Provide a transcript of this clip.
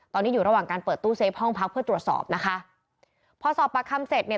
ตอนนี้อยู่ระหว่างการเปิดตู้เซฟห้องพักเพื่อตรวจสอบนะคะพอสอบปากคำเสร็จเนี่ย